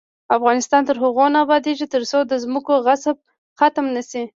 افغانستان تر هغو نه ابادیږي، ترڅو د ځمکو غصب ختم نشي.